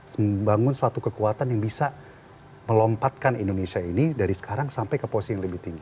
membangun suatu kekuatan yang bisa melompatkan indonesia ini dari sekarang sampai ke posisi yang lebih tinggi